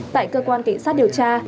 tại cơ quan cảnh sát điều tra